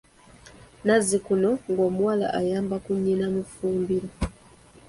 Nazzikuno ng’omuwala ayamba ku nnyina mu ffumbiro.